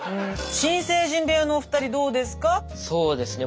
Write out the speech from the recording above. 新成人部屋のお二人どうですか？